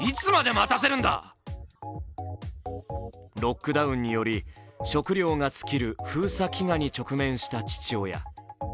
ロックダウンにより食料が尽きる封鎖飢餓に直面した父親。